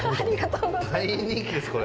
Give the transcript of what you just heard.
大人気です、これ。